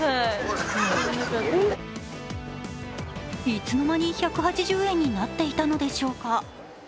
いつの間に１８０円になっていたのでしょうか。